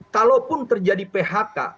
kalaupun terjadi phk